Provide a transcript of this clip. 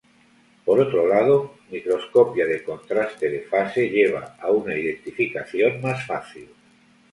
Por otro lado, microscopía de contraste de fase lleva a una identificación más fácil.